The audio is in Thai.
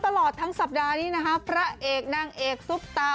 ตลอดทั้งสัปดาห์นี้นะคะพระเอกนางเอกซุปตา